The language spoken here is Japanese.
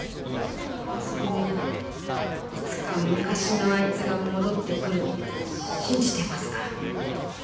それにいつか昔のあいつが戻ってくるって信じてますから